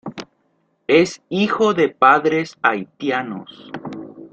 Es hijo de padres haitianos.